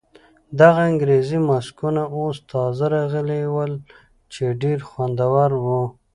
دغه انګریزي ماسکونه اوس تازه راغلي ول چې ډېر خوندور وو.